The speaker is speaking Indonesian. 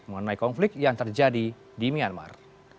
mengenai konflik yang terjadi di myanmar